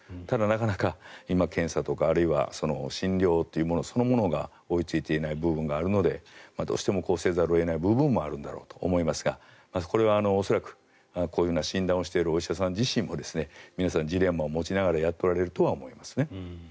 ただ、なかなか今、検査とか診療というものそのものが追いついていない部分があるのでどうしてもこうせざるを得ない部分もあるんだと思いますがそれは恐らくこういう診断をしているお医者さん自身も皆さん、ジレンマを持ちながらやっておられるとは思いますね。